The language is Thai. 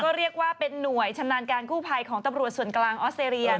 เรียกว่าเป็นหน่วยชำนาญการกู้ภัยของตำรวจส่วนกลางออสเตรเลีย